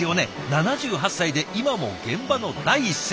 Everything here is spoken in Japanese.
７８歳で今も現場の第一線。